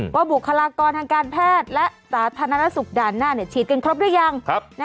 บุคลากรทางการแพทย์และสาธารณสุขด่านหน้าฉีดกันครบหรือยัง